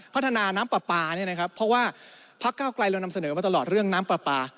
พัฒนาน้ำปลาปลาเนี่ยนะครับเพราะว่าพักเก้าไกลเรานำเสนอมาตลอดเรื่องน้ำปลาปลา